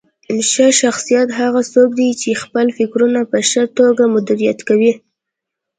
ښه شخصیت هغه څوک دی چې خپل فکرونه په ښه توګه مدیریت کوي.